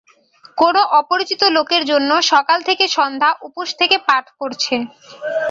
কোনো অপরিচিত লোকের জন্য সকাল থেকে সন্ধ্যা উপোস থেকে পাঠ করছে।